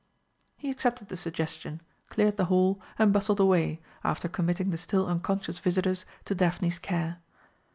He accepted the suggestion, cleared the hall, and bustled away, after committing the still unconscious visitors to Daphne's care.